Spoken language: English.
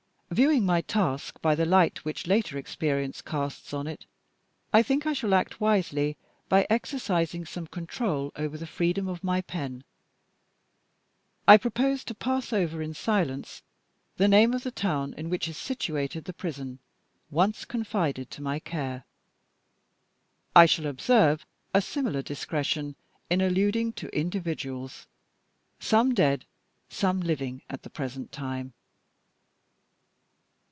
Viewing my task by the light which later experience casts on it, I think I shall act wisely by exercising some control over the freedom of my pen. I propose to pass over in silence the name of the town in which is situated the prison once confided to my care. I shall observe a similar discretion in alluding to individuals some dead, some living, at the present time.